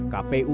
kpu ri tersebut